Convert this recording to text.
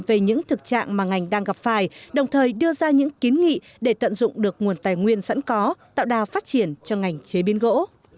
về những thực trạng mà ngành đang gặp phải đồng thời đưa ra những kiến nghị để tận dụng được nguồn tài nguyên sẵn có tạo đà phát triển cho ngành chế biến gỗ